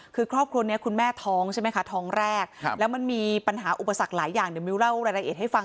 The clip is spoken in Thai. คือครอบครัวนี้คุณแม่ท้องใช่ไหมคะท้องแรกแล้วมันมีปัญหาอุปสรรคหลายอย่างเดี๋ยวมิ้วเล่ารายละเอียดให้ฟัง